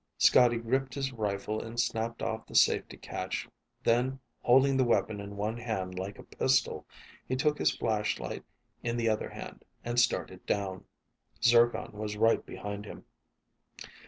Scotty gripped his rifle and snapped off the safety catch, then holding the weapon in one hand like a pistol, he took his flashlight in the other hand and started down. Zircon was right behind him.